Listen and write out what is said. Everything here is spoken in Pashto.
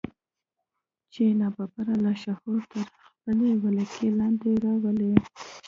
چې ناببره لاشعور تر خپلې ولکې لاندې راولي.